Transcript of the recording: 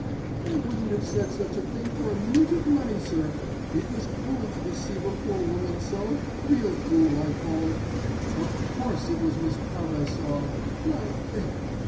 "I wouldn't have said such a thing for a mint of money, sir. It was cruel to deceive a poor woman so, real cruel I call it. Of course, it was Miss Prout I saw. Well, there!